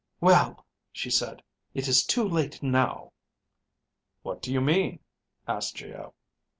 "Well," she said. "It is too late now." "What do you mean?" asked Geo.